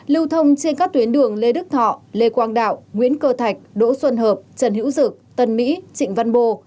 lưu thông trên các tuyến đường lê đức thọ lê quang đạo nguyễn cơ thạch đỗ xuân hợp trần hữu dực tân mỹ trịnh văn bồ